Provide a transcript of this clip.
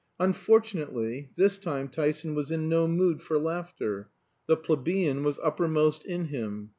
Unfortunately this time Tyson was in no mood for laughter. The plebeian was uppermost in him.